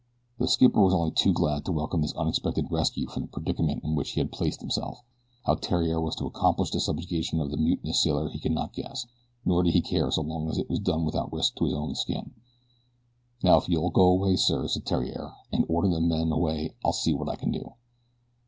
The skipper was only too glad to welcome this unexpected rescue from the predicament in which he had placed himself. How Theriere was to accomplish the subjugation of the mutinous sailor he could not guess, nor did he care so long as it was done without risk to his own skin. "Now if you'll go away, sir," said Theriere, "and order the men away I'll see what I can do."